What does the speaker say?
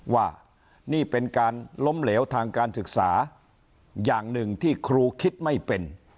ว่านี่เป็นการล้มเหลวทางการศึกษาอย่างหนึ่งที่ครูคิดไม่เป็น